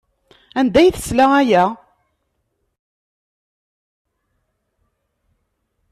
Anda ay tesla aya?